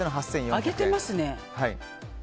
上げてますね。